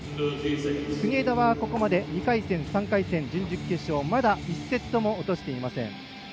国枝はここまで２回戦、３回戦準々決勝まだ１セットも落としていません。